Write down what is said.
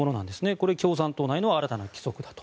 これが共産党内の新たな規則だと。